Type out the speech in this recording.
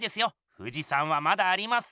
富士山はまだあります。